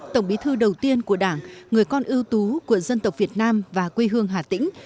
tổng bí thư đầu tiên của đảng người con ưu tú của dân tộc việt nam và quê hương hà tĩnh